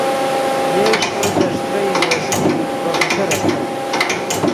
یئے ݰیفے دے ݯتریئی یونیورسٹی پروفیسر استت